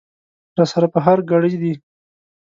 را سره په هر ګړي دي